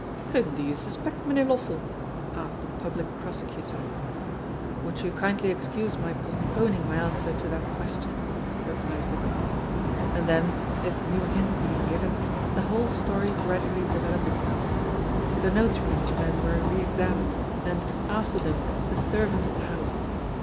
'' '^Whom do you suspect, Mynheer Lossell?" asked the Public Prosecutor. ^ Will you kindly excuse my postponing my answer to that question?" replied Hubert And then, this new hint being given, the whole story gradually developed itself. The Notary and his men were re examined, and, after them, the servants of the house.